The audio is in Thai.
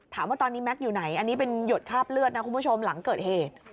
ถามว่าตอนนี้แม็กซ์อยู่ไหนอันนี้เป็นหยดคราบเลือดนะคุณผู้ชมหลังเกิดเหตุ